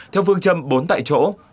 theo phương châm bốn tại chỗ